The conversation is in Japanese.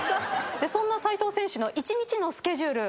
そんな斎藤選手の１日のスケジュール